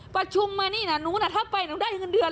ประชุมมานี่นะหนูถ้าไปหนูได้ถึงเดือน